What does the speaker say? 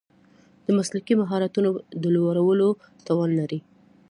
د مسلکي مهارتونو د لوړولو توان لري.